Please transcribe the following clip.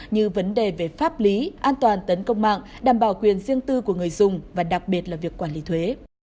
như vấn đề về pháp lý an toàn tấn công mạng đảm bảo quyền riêng tư của người dùng và đặc biệt là việc quản lý thuế